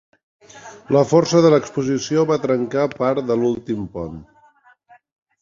La força de l'exposició va trencar part de l'últim pont.